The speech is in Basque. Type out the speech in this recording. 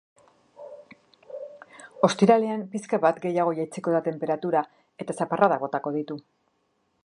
Ostiralean pixka bat gehiago jaitsiko da tenperatura eta zaparradak botako ditu.